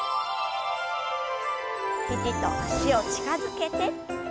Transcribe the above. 肘と脚を近づけて。